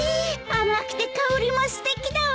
甘くて香りもすてきだわ。